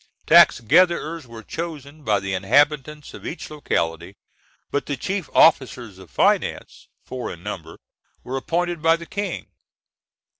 Tax gatherers were chosen by the inhabitants of each locality, but the chief officers of finance, four in number, were appointed by the King.